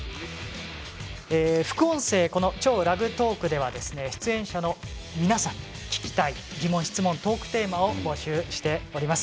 副音声、「超ラグトーク」では出演者の皆さん聞きたい、疑問、質問トークテーマを募集しております。